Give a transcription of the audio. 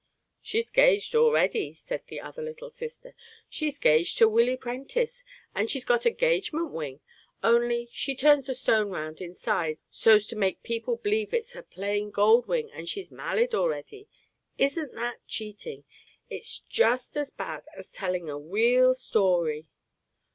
"She's 'gaged already," said the other little sister. "She's 'gaged to Willy Prentiss. And she's got a 'gagement wing; only, she turns the stone round inside, so's to make people b'lieve it's a plain gold wing and she's mallied already. Isn't that cheating? It's just as bad as telling a weal story."